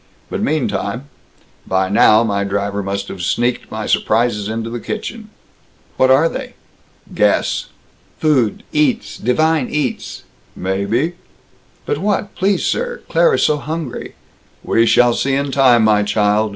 But meantime By now, my driver must have sneaked my s'prises into the kitchen." "What are they?" "Guess." "Food. Eats. Divine eats." "Maybe." "But what? Please, sir. Claire is so hungry." "We shall see in time, my child.